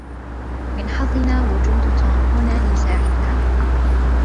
من حظنا وجود توم هنا ليساعدنا.